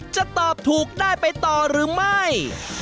จะตอบถูกได้ไปต่อหรือไม่